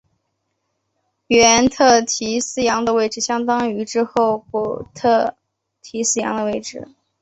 原特提斯洋的位置相当于之后古特提斯洋的位置。